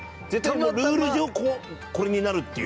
ルール上、これになるっていう。